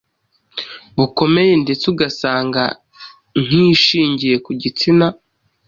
bukomeye ndetse ugasanga nk’ishingiye ku gitsina